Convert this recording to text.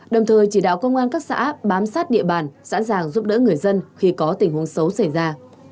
đồng thời chỉ đạo công an các xã bám sát địa bàn sẵn sàng giúp đỡ người dân khi có tình huống xấu xảy ra